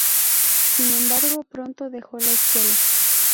Sin embargo pronto dejó la escuela.